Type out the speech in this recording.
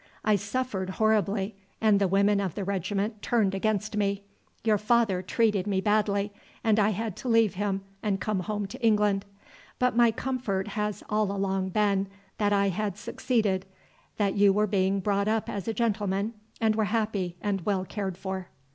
I suffered horribly, and the women of the regiment turned against me. Your father treated me badly, and I had to leave him and come home to England. But my comfort has all along been that I had succeeded; that you were being brought up as a gentleman, and were happy and well cared for."